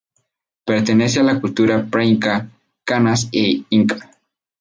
Pertenece a la cultura preinca k´anas y inca.